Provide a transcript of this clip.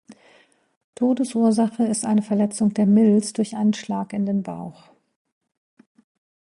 Todesursache ist eine Verletzung der Milz durch einen Schlag in den Bauch.